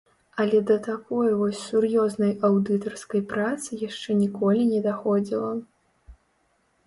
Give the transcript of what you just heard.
Але да такой вось сур'ёзнай аўдытарскай працы яшчэ ніколі не даходзіла.